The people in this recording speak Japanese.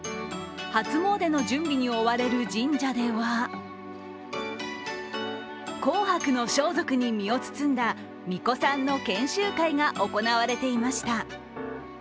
初詣の準備に追われる神社では紅白の装束に身を包んだ巫女さんの研修会が行われていました。